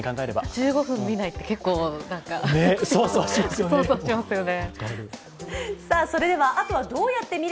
１５分見ないって、結構そわそわしますよね。